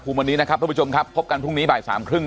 วันนี้นะครับทุกผู้ชมครับพบกันพรุ่งนี้บ่ายสามครึ่ง